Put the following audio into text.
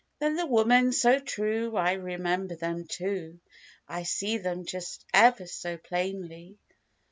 Then the women, so true, I remember them too; I see them just ever so plainly.